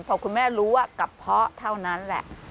พอคุณแม่รู้ว่ากระเพาะเท่านั้นแหละ